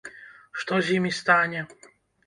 Што з імі стане?